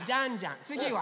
つぎは？